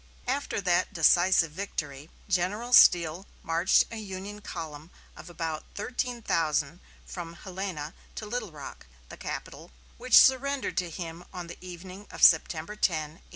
After that decisive victory, General Steele marched a Union column of about thirteen thousand from Helena to Little Rock, the capital, which surrendered to him on the evening of September 10, 1863.